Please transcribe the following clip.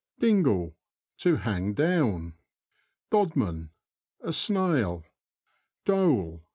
Dingle. — To hang down. DoDMAN. — A snail. Dole.